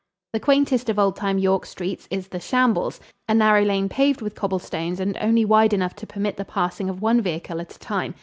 The quaintest of old time York streets is The Shambles, a narrow lane paved with cobblestones and only wide enough to permit the passing of one vehicle at a time.